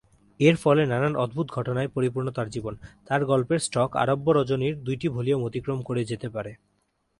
এর ফলে নানান অদ্ভুত ঘটনায় পরিপূর্ণ তাঁর জীবন; তাঁর গল্পের স্টক আরব্য রজনীর দুইটি ভলিউম অতিক্রম করে যেতে পারে।